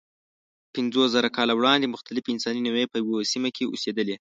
پنځوسزره کاله وړاندې مختلفې انساني نوعې په یوه سیمه کې اوسېدلې.